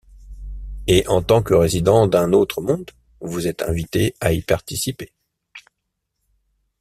Et en tant que résidant d'un autre monde, vous êtes invité à y participer.